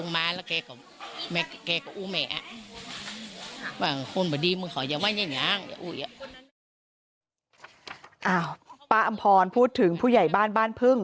ป้าอำพรพูดถึงผู้ใหญ่บ้านบ้านพึ่ง